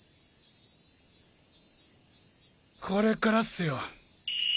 これからっスよ。